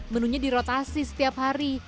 menunya dirotasi setiap hari